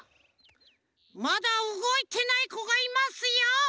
まだうごいてないこがいますよ！